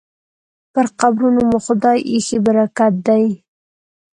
پر قبرونو مو خدای ایښی برکت دی